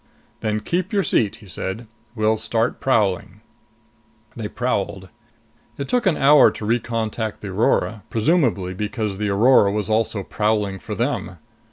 "Then keep your seat," he said. "We'll start prowling." They prowled. It took an hour to recontact the Aurora, presumably because the Aurora was also prowling for them.